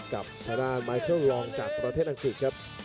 กับทางด้านไมเคิลรองจากประเทศอังกฤษครับ